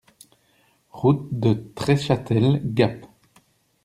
Route de Treschâtel, Gap